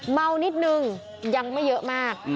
เมานิดนึงยังไม่เยอะมาก